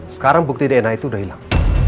sekarang bukti dna itu sudah hilang